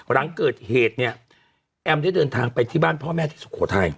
หลังเกิดเหตุเนี่ยแอมได้เดินทางไปที่บ้านพ่อแม่ที่สุโขทัย